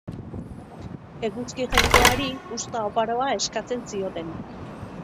Eguzki jainkoari uzta oparoa eskatzen zioten.